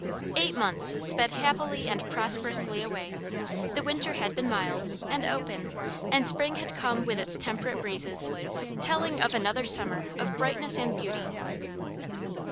Eight months sped happily and prosperously away; the winter had been mild, and open, and spring had come with its temperate breezes, telling of another summer of brightness and beauty.